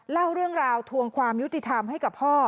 เล่าเรื่องราวทวงความยุติธรรมให้กับพ่อ